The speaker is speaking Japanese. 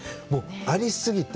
あり過ぎて。